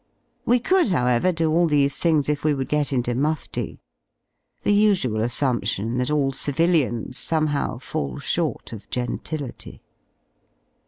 We could y however y do all these thmgs \if we would get into mufti — the usual assumption that all civilians somehow fall short of gentility.